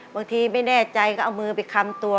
ไม่แน่ใจก็เอามือไปคำตัว